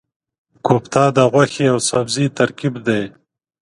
کوفته د غوښې او سبزي ترکیب دی.